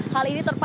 hal ini terpaksa